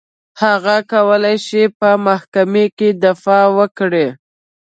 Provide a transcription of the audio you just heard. هغوی کولای شول په محکمو کې دفاع وکړي.